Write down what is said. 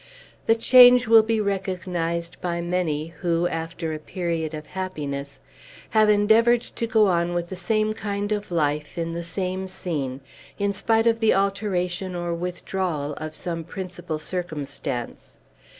The change will be recognized by many, who, after a period of happiness, have endeavored to go on with the same kind of life, in the same scene, in spite of the alteration or withdrawal of some principal circumstance.